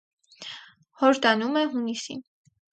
Հորդանում է հունիսին։